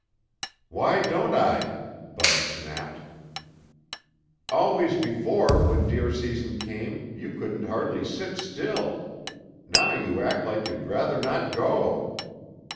"Why don't I?" Bud snapped. "Always before when deer season came you couldn't hardly sit still. Now you act like you'd rather not go."